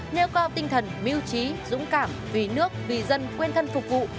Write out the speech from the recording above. nêu cao tinh thần mưu trí dũng cảm vì nước vì dân quên thân phục vụ